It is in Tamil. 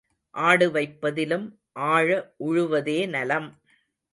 ஆடு வைப்பதிலும் ஆழ உழுவதே நலம்.